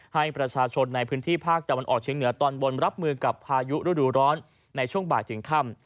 ให้ประชาชนในพื้นที่ภาคตะวันออกเชียงเหนือตอนบนรับมือกับพายุฤดูร้อนในช่วงบ่ายถึงค่ำ